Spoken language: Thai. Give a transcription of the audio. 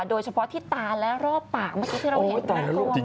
โดยเฉพาะที่ตาและรอบปากเมื่อกี้ที่เราเห็นนะ